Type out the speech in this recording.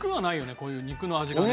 こういう肉の味がね。